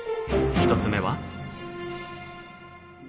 １つ目は。